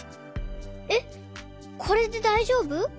えっこれでだいじょうぶ？